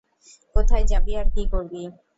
কোথায় যাবি আর কী করবি?